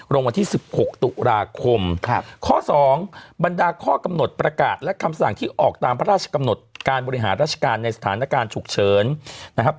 วันที่๑๖ตุลาคมข้อ๒บรรดาข้อกำหนดประกาศและคำสั่งที่ออกตามพระราชกำหนดการบริหารราชการในสถานการณ์ฉุกเฉินนะครับ